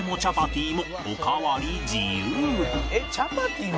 さらに「えっ？チャパティも？」